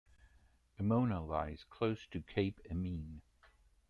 Emona lies close to Cape Emine.